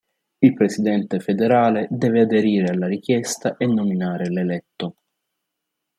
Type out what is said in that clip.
Il Presidente federale deve aderire alla richiesta e nominare l'eletto.